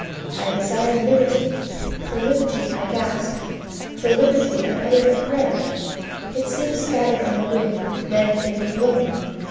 I desired liberty; for liberty I gasped; for liberty I uttered a prayer; it seemed scattered on the wind then faintly blowing.